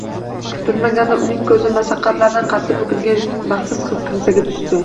Kutilmaganda uning ko`zi mashaqqatlardan qaddi bukilgan baxtsiz kimsaga tushdi